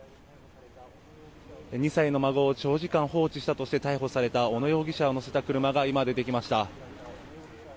２歳の孫を長時間放置したとして逮捕された小野容疑者を乗せた車が今、出てきました。